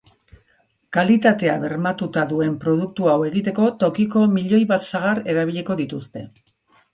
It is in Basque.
Kalitatea bermatuta duen produktu hau egiteko, tokiko milioi bat sagar erabiliko dituzte.